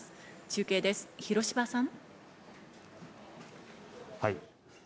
中継です、広芝さん。